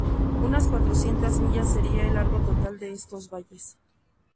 Unas cuatrocientas millas sería el largo total de estos valles.